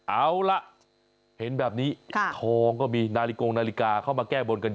เอาล่ะเห็นแบบนี้ทองก็มีนาฬิกงนาฬิกาเข้ามาแก้บนกันเยอะ